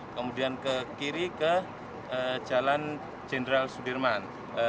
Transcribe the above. kemudian ke kiri ke jalan jenderal sudirman